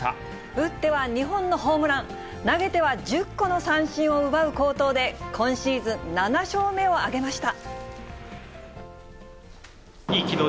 打っては２本のホームラン、投げては１０個の三振を奪う好投で、今シーズン７勝目を挙げました。